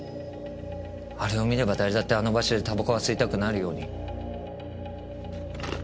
あれを見れば誰だってあの場所で煙草が吸いたくなるように。